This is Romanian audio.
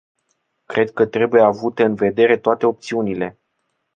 Cred că trebuie avute în vedere toate opțiunile.